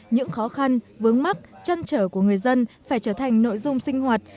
những khó khăn vướng mắt chăn trở của người dân phải trở thành nội dung sinh hoạt